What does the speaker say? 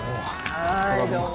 はいどうも。